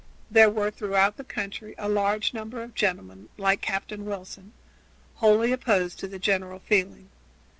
There were throughout the country a large number of gentlemen, like Captain Wilson, wholly opposed to the general feeling.